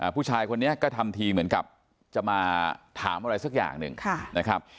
ผู้ชายคนนี้ก็ทำทีเหมือนกับจะมาถามอะไรสักอย่างหนึ่งนะครับ